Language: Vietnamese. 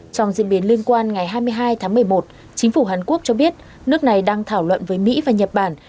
trong diễn biến liên quan ngày hai mươi hai tháng một mươi một chính phủ hàn quốc cho biết nước này đang thảo luận với mỹ và nhật bản